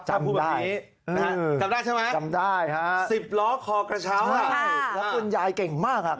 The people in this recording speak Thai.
จำได้จำได้ใช่ไหมครับซิบล้อคอกระเช้าค่ะแล้วคุณยายเก่งมากครับ